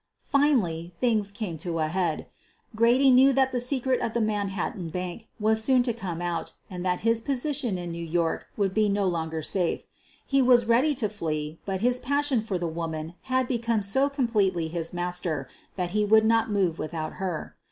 Finally things came to a head. Grady knew that the secret of the Manhattan Bank was soon to come out and that his position in New York would be no longer safe. He was ready to flee, but his passion for the woman had become so completely his master that he would not mova without her.